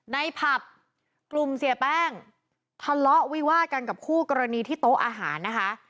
ผับกลุ่มเสียแป้งทะเลาะวิวาดกันกับคู่กรณีที่โต๊ะอาหารนะคะ